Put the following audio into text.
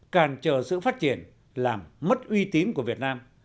càn trở sự phát triển làm mất uy tín của việt nam